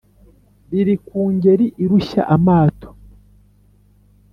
riri ku ngeri irushya amato